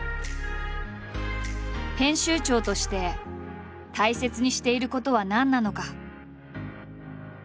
編集長として大切にしていることは何なのか？